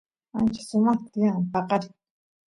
ancha sumaqta tiyan paqarin